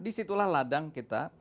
disitulah ladang kita